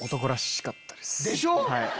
でしょ！